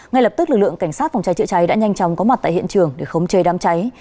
ngay lập tức lực lượng cảnh sát phòng cháy chữa cháy đã nhanh chóng có mặt tại hiện trường để khống chê đám cháy